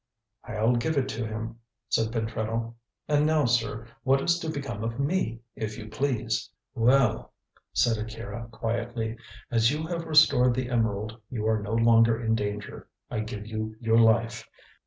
"I'll give it to him," said Pentreddle; "and now, sir, what is to become of me, if you please?" "Well," said Akira quietly, "as you have restored the emerald, you are no longer in danger. I give you your life.